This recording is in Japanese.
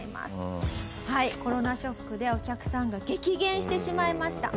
コロナショックでお客さんが激減してしまいました。